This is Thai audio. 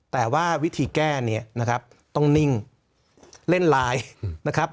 แต่ว่าวิธีแก้เนี่ยนะครับต้องนิ่งเล่นไลน์นะครับ